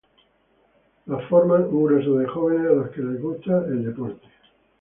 Lo forman un grupo de jóvenes a los que les gusta el deporte.